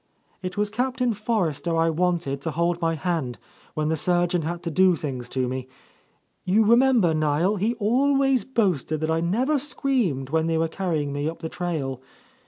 "It was Captain Forrester I wanted to hold my hand when the surgeon had to do things to me. You remember, Niel, he always boasted that I never screamed when they were carrying me up the trail.